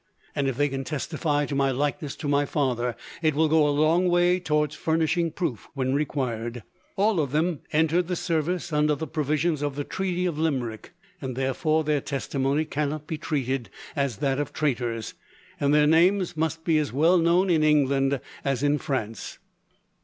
"And if they can testify to my likeness to my father, it will go a long way towards furnishing proof, when required. All of them entered the service under the provisions of the treaty of Limerick, and therefore their testimony cannot be treated as that of traitors; and their names must be as well known in England as in France.